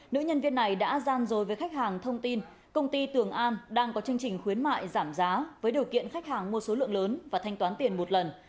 nữ nhân viên này đã gian dối với khách hàng thông tin công ty tường an đang có chương trình khuyến mại giảm giá với điều kiện khách hàng mua số lượng lớn và thanh toán tiền một lần